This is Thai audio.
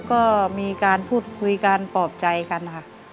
ก็มีการพูดคุยกันปลอบใจกันค่ะ